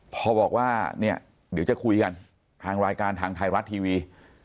พอบอกว่าเนี่ยเดี๋ยวจะคุยกันทางรายการทางไทยรัฐทีวี